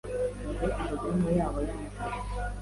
Dore alubumu yabo y'amafoto.